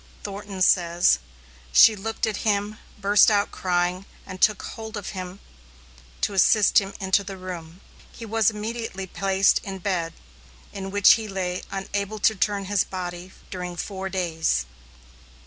Thornton says: She looked at him, burst out crying, and took hold of him to assist him into the room. He was immediately placed in bed, in which he lay unable to turn his body during four days.